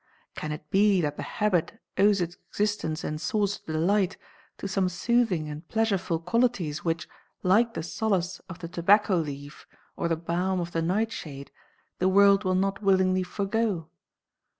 Can it be that the habit owes its existence and source of delight to some soothing and pleasureful qualities which, like the solace of the tobacco leaf or the balm of the nightshade, the world will not willingly forego?